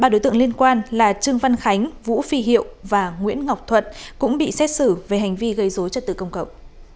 ba đối tượng liên quan là trương văn khánh vũ phi hiệu và nguyễn ngọc thuận cũng bị xét xử về hành vi gây dối trật tự công cộng